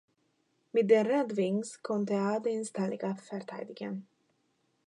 Mit den Red Wings konnte er den Stanley Cup verteidigen.